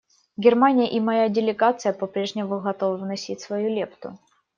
Германия и моя делегация по-прежнему готовы вносить свою лепту.